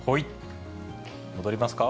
戻りますか。